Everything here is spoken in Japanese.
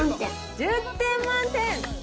１０点満点！